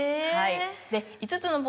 はい。